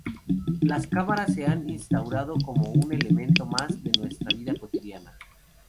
Las cámaras se han instaurado como un elemento más de nuestra vida cotidiana.